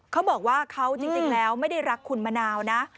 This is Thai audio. เขาบอกว่าเขาจริงแล้วไม่ได้รักคุณมะนาวนะ